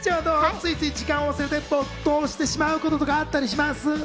ついつい時間を忘れて没頭してしまうこととかあったりします？